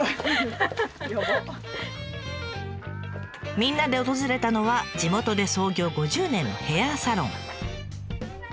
みんなで訪れたのは地元で創業５０年のヘアサロン。